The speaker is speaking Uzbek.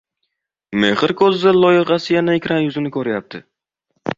“Mexr ko‘zda” loyihasi yana ekran yuzini ko‘ryapti.